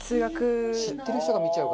知ってる人が見ちゃうから。